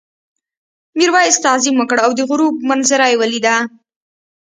میرويس تعظیم وکړ او د غروب منظره یې ولیده.